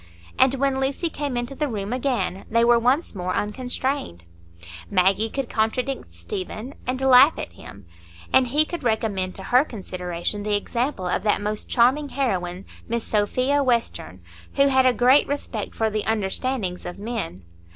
And when Lucy came into the room again, they were once more unconstrained; Maggie could contradict Stephen, and laugh at him, and he could recommend to her consideration the example of that most charming heroine, Miss Sophia Western, who had a great "respect for the understandings of men."